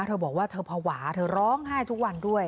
เธอบอกว่าเธอภาวะเธอร้องไห้ทุกวันด้วย